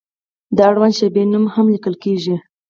د اړونده شعبې نوم هم لیکل کیږي.